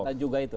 dan juga itu